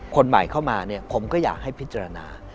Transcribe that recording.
คนใหม่เข้ามาเนี่ยผมก็อยากให้พิจารณา